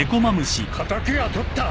敵はとった！